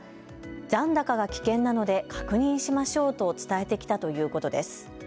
残高が危険なので確認しましょうと伝えてきたということです。